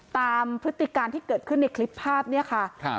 พฤติการที่เกิดขึ้นในคลิปภาพเนี่ยค่ะ